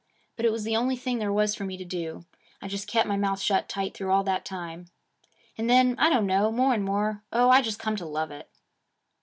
But it was the only thing there was for me to do. I just kep' my mouth shut tight through all that time. And then, I don't know, more and more, oh, I just come to love it!'